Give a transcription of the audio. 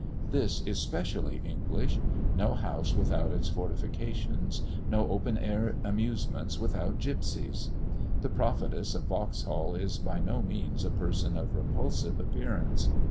This is specially English; no house without its fortifications no open air amusements without gipsies. The prophetess of Vauxhall is by no means a person of repulsive appearance.